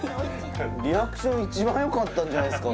リアクション一番よかったんじゃないすか？